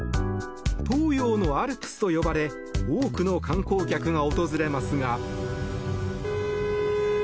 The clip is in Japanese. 東洋のアルプスと呼ばれ多くの観光客が訪れますが。